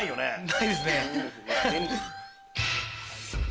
ないですね。